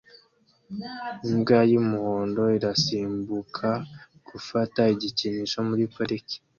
Imbwa y'umuhondo irasimbuka gufata igikinisho muri parike